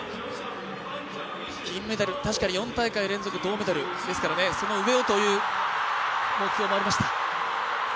銀メダル、確かに４大会連続銅メダル、ですからその上をという目標もありました。